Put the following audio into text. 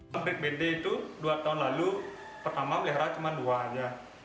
fabrik bd itu dua tahun lalu pertama melihara cuma dua aja